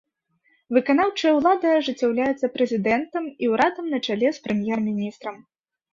Выканаўчая ўлада ажыццяўляецца прэзідэнтам і ўрадам на чале з прэм'ер-міністрам.